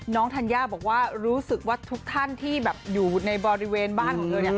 ธัญญาบอกว่ารู้สึกว่าทุกท่านที่แบบอยู่ในบริเวณบ้านของเธอ